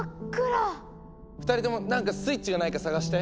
２人とも何かスイッチがないか探して。